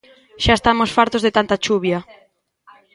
Xa estamos fartos de tanta chuvia...